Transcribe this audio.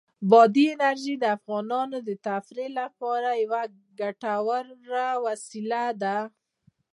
بادي انرژي د افغانانو د تفریح لپاره یوه ګټوره وسیله ده.